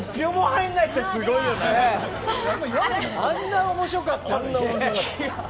あんなに面白かったのに。